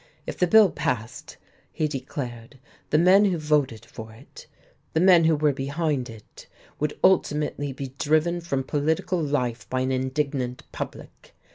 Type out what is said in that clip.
If the bill passed, he declared, the men who voted for it, the men who were behind it, would ultimately be driven from political life by an indignant public.